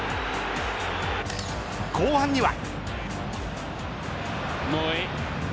後半には。